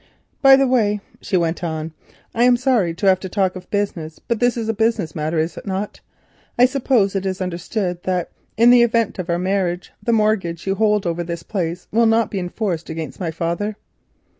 "By the way," she went on, "I am sorry to have to talk of business, but this is a business matter, is it not? I suppose it is understood that, in the event of our marriage, the mortgage you hold over this place will not be enforced against my father."